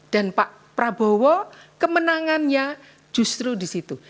dan pak prabowo kemenangannya justru di situ